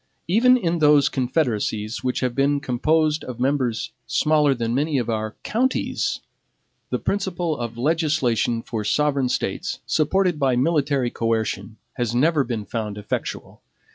Even in those confederacies which have been composed of members smaller than many of our counties, the principle of legislation for sovereign States, supported by military coercion, has never been found effectual.